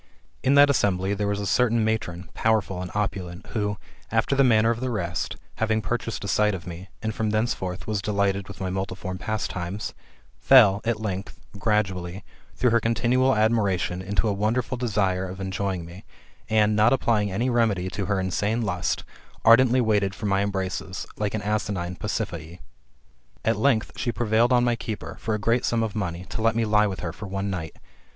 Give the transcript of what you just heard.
In that assembly there was a certain matron, powerful and opulent, who, after the manner of the rest, having purchased a sight of me, and from thenceforth was delighted with my multiform pastimes, fell, at length, gradually, through her continual admiration, into a wonderful desire of enjoying me, and, not applying any remedy to her insane lust, ardently waited for my embraces, like an asinine Pasiphae. At length she prevailed on my keeper, for a great sum of money, to let me lie with her for one night.